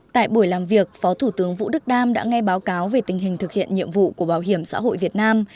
tại buổi làm việc phó thủ tướng vũ đức đam đã nghe báo cáo về tình hình thực hiện nhiệm vụ của bảo hiểm xã hội việt nam